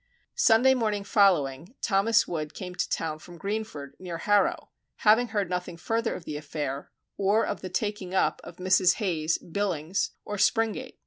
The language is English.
Sunday morning following, Thomas Wood came to town from Greenford, near Harrow, having heard nothing further of the affair, or of the taking up of Mrs. Hayes, Billings, or Springate.